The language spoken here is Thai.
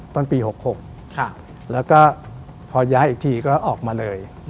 พอย้างอีกทีก็ออกมาเลย